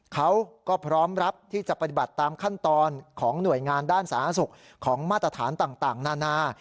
เขาก็พร้อมรับที่จะปฏิบัติตามขั้นตอนของหน่วยงานด้านสาธารณสุขของมาตรฐานต่างนานา